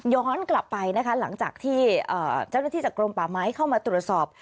กลับไปนะคะหลังจากที่เจ้าหน้าที่จากกรมป่าไม้เข้ามาตรวจสอบ